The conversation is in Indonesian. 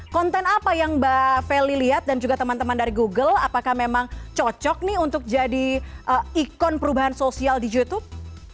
konten apa yang mbak feli lihat dan juga teman teman dari google apakah memang cocok nih untuk jadi ikon perubahan sosial di youtube